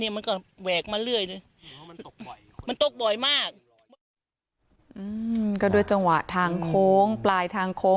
มันก็แหวกมาเรื่อยเลยมันตกบ่อยมากอืมก็ด้วยจังหวะทางโค้งปลายทางโค้ง